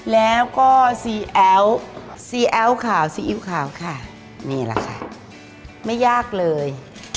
แล้วก็ซีแอลซีแอลขาวซีอิ๊วขาวค่ะนี่แหละค่ะไม่ยากเลย